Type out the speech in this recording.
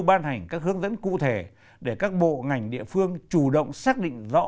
ban hành các hướng dẫn cụ thể để các bộ ngành địa phương chủ động xác định rõ